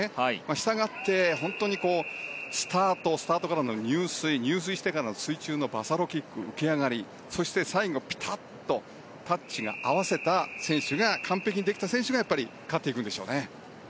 したがって、スタートスタートからの入水入水してからの水中のバサロキック浮き上がり、そして最後ピタッとタッチを合わせた選手完璧にできた選手が勝ってくるでしょうね。